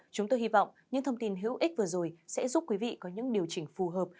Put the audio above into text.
chúng tôi hy vọng những thông tin hữu ích vừa rồi sẽ giúp quý vị có những điều chỉnh phù hợp